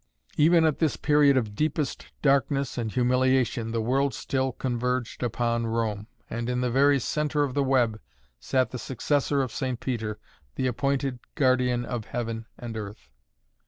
Even at this period of deepest darkness and humiliation the world still converged upon Rome, and in the very centre of the web sat the successor of St. Peter, the appointed guardian of Heaven and Earth.